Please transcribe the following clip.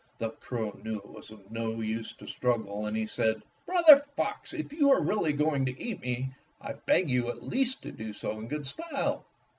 The crow knew it was of no use to struggle, and he said: "Brother Fox, if you are really going to eat me, I beg you at least to do so in good style.